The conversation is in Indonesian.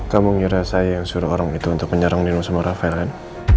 kamu ngerasain suruh orang itu untuk menyerang nino sama rafael kan